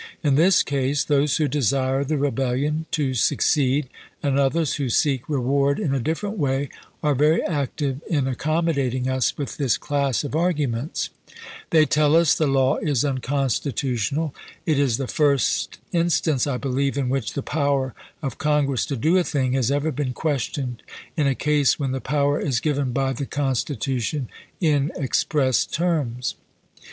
In this case, those who desire the rebellion to succeed, and others who seek reward in a different way, are very active in ac commodating us with this class of arguments. THE LINCOLN SEYMOUR CORRESPONDENCE 51 They tell us the law is unconstitutional. It is the chap.ii. first instance, I believe, in which the power of Con gress to do a thing has ever been questioned in a case when the power is given by the Constitution in express terms.